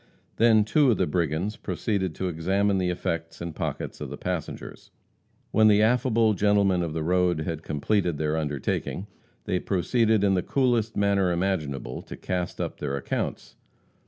Then two of the brigands proceeded to examine the effects and pockets of the passengers. When the affable gentlemen of the road had completed their undertaking, they proceeded in the coolest manner imaginable to cast up their accounts.